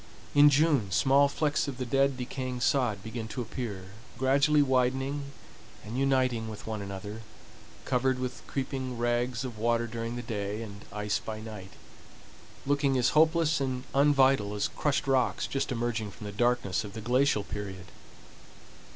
In June small flecks of the dead, decaying sod begin to appear, gradually widening and uniting with one another, covered with creeping rags of water during the day, and ice by night, looking as hopeless and unvital as crushed rocks just emerging from the darkness of the glacial period.